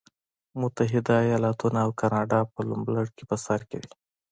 متحده ایالتونه او کاناډا په نوملړ کې په سر کې دي.